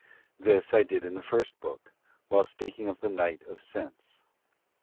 This I did in the first book, while speaking of the night of sense.